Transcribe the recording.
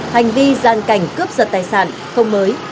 hành vi gian cảnh cướp giật tài sản không mới